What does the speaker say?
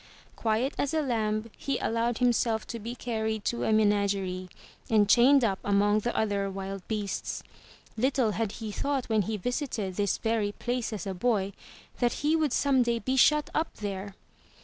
Quiet as a lamb, he allowed himself to be carried to a menagerie, and chained up among the other wild beasts. Little had he thought when he visited this very place as a boy that he would some day be shut up there!